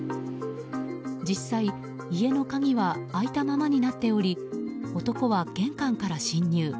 実際、家の鍵は開いたままになっており男は玄関から侵入。